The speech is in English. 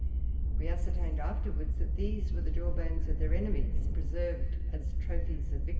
We ascertained afterwards that these were the jawbones of their enemies, preserved as trophies of victory."